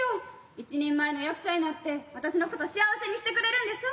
一人前の役者になって私のこと幸せにしてくれるんでしょ。